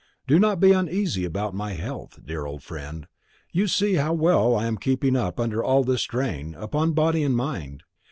Do not be uneasy about my health, dear old friend; you see how well I am keeping up under all this strain upon body and mind.